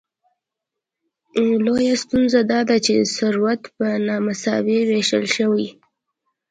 لویه ستونزه داده چې ثروت په نامساوي ویشل شوی.